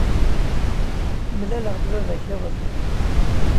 Mlaleɣ-d baba-k iḍelli.